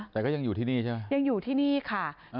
แต่ก็ยังอยู่ที่นี่ใช่ไหมยังอยู่ที่นี่ค่ะ